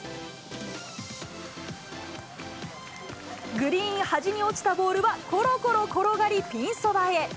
グリーン端に落ちたボールは、ころころ転がり、ピンそばへ。